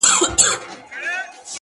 o ستا د يادو لپاره،